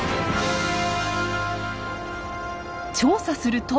調査すると。